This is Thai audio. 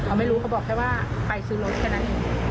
ไม่รู้เขาบอกแค่ว่าไปซื้อรถแค่นั้นเอง